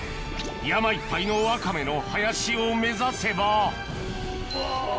山いっぱいのワカメの林を目指せばうわ。